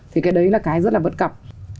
thì cái đấy là cái rất là vấn cập